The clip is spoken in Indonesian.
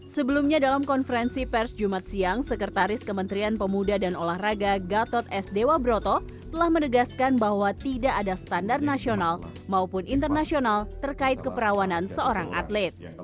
sebelumnya dalam konferensi pers jumat siang sekretaris kementerian pemuda dan olahraga gatot s dewa broto telah menegaskan bahwa tidak ada standar nasional maupun internasional terkait keperawanan seorang atlet